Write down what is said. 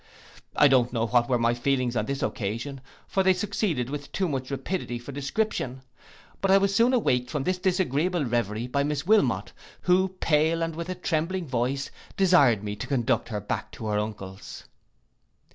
I don't know what were my feelings on this occasion; for they succeeded with too much rapidity for description: but I was soon awaked from this disagreeable reverie by Miss Wilmot, who, pale and with a trembling voice, desired me to conduct her back to her uncle's.